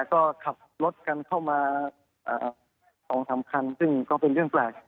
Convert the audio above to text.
ก็ขับรถกันเข้ามาสองสามคันซึ่งก็เป็นเรื่องแปลก